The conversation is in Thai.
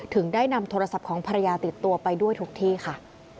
ถึงได้นำโทรศัพท์ของภรรยาติดตัวไปด้วยทุกที่ค่ะ